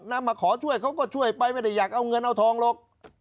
มาขอช่วยเขาก็ช่วยไปไม่ได้อยากเอาเงินเอาทองหรอก